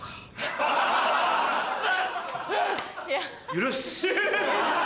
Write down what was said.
「許す」。